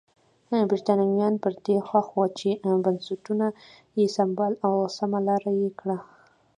برېټانویان پر دې خوښ وو چې بنسټونه یې سمبال او سمه لار یې کړي.